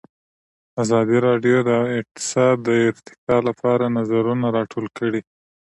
ازادي راډیو د اقتصاد د ارتقا لپاره نظرونه راټول کړي.